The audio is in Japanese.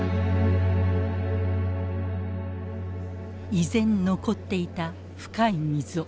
依然残っていた深い溝。